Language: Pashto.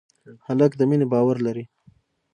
هلک د مینې باور لري.